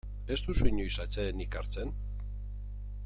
Ez duzu inoiz atsedenik hartzen?